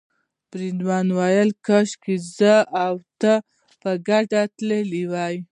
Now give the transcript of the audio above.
بریدمن وویل کاشکې زه او ته په ګډه تللي وای.